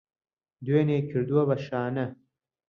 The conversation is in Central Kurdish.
دوێنێی کردوە بە شانە